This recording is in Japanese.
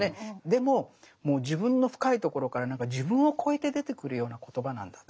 でももう自分の深いところからなんか自分を超えて出てくるような言葉なんだ。